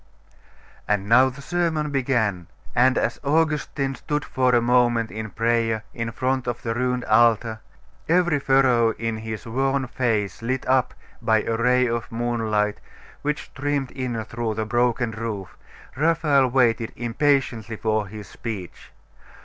And now the sermon began; and as Augustine stood for a moment in prayer in front of the ruined altar, every furrow in his worn face lit up by a ray of moonlight which streamed in through the broken roof, Raphael waited impatiently for his speech.